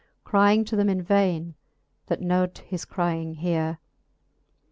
Crying to them in vaine^ that nould his crying heare.